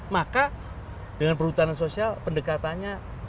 maka dengan perhutanan sosial pendekatannya